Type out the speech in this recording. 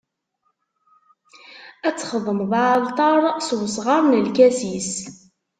Ad txedmeḍ aɛalṭar s usɣar n lkasis.